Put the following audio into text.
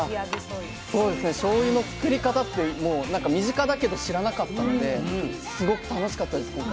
しょうゆの造り方ってもうなんか身近だけど知らなかったのですごく楽しかったです今回。